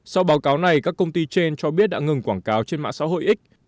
sau báo cáo này các công ty trên cho biết đã ngừng quảng cáo trên mạng xã hội x